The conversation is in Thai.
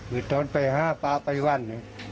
เมื่อตอนไปพระพระไปวันเนี่ย